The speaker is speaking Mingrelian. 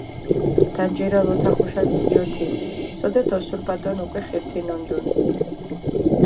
დანჯირალ ოთახუშა ქიგიოთინჷ, სოდეთ ოსურპატონ უკვე ხირთინუნდუნ.